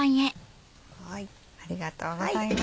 ありがとうございます。